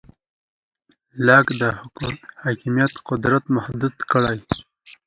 لاک د حاکمیت قدرت محدود کړ.